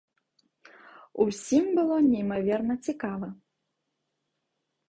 Усім было неймаверна цікава.